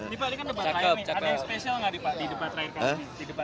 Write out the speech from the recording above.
dibalikkan debat terakhir ada yang spesial nggak di debat terakhir kali ini